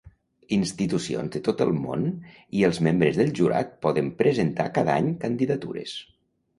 Institucions de tot el món i els membres del jurat poden presentar cada any candidatures.